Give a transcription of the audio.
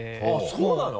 そうなの？